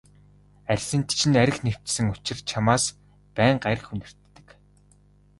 Арьсанд чинь архи нэвччихсэн учир чамаас байнга архи үнэртдэг.